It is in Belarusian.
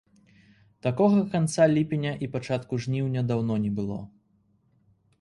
Такога канца ліпеня і пачатку жніўня даўно не было.